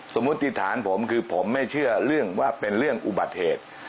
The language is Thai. มติฐานผมคือผมไม่เชื่อเรื่องว่าเป็นเรื่องอุบัติเหตุ